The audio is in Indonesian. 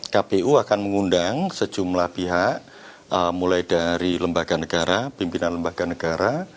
kpu akan mengundang sejumlah pihak mulai dari lembaga negara pimpinan lembaga negara